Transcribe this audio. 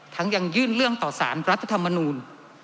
ยังยื่นเรื่องต่อสารรัฐธรรมนูล